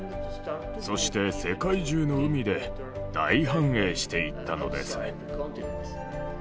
そして世界中の海で大繁栄していったのです。